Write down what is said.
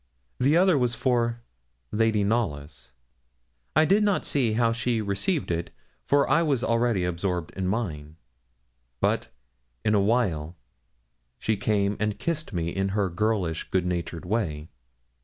The other was for 'Lady Knollys.' I did not see how she received it, for I was already absorbed in mine. But in awhile she came and kissed me in her girlish, goodnatured way.